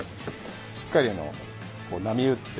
しっかりこう波打って。